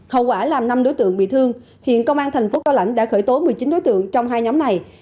hậu quả làm năm đối tượng bị thương hiện công an thành phố cao lãnh đã khởi tố một mươi chín đối tượng trong hai nhóm này